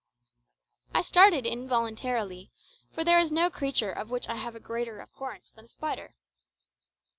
I started involuntarily, for there is no creature of which I have a greater abhorrence than a spider.